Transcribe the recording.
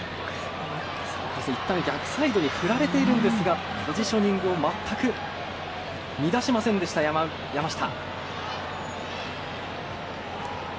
いったん、逆サイドに振られているんですがポジショニングを全く乱しませんでした、山下。